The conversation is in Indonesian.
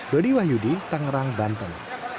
dodi wahyudi tanggrang banten